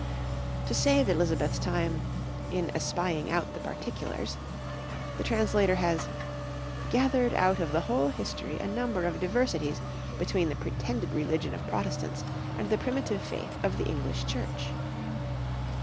To save Elizabeth's time "in espying out the particulars," the translator has "gathered out of the whole History a number of diversities between the pretended religion of Protestants and the primitive faith of the english Church."